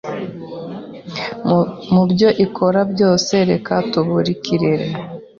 mu byo ikora byose. Reka tubukurikire: